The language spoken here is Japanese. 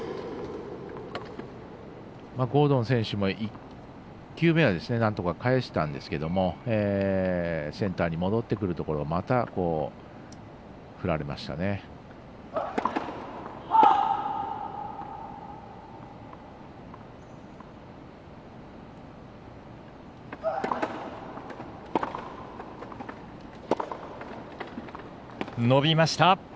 ゴードン選手も１球目はなんとか返したんですけどセンターに戻ってくるところをまた振られましたね。